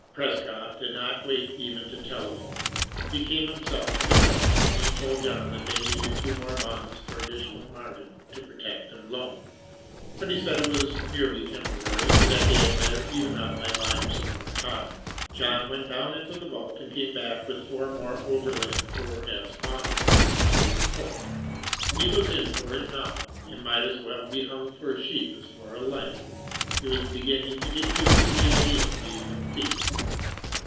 Prescott did not wait even to telephone. He came himself to the trust company and told John that they needed two more bonds for additional margin to protect their loan. But he said it was merely temporary, and that they had better even up by buying some more cotton. John went down into the vault and came back with four more Overland 4s bonds under his coat. He was in for it now and might as well be hung for a sheep as for a lamb. He was beginning to get used to the idea of being a thief.